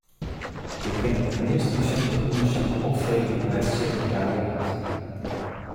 Jo kinne it meast resinte ûndersyk opfreegje by it sekretariaat.